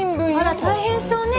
あら大変そうね